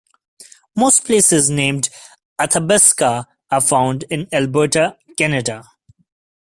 Most places named Athabasca are found in Alberta, Canada.